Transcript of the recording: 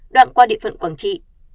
đoạn qua địa phận quảng trị